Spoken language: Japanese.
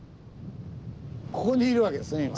ここにいるわけですね今ね。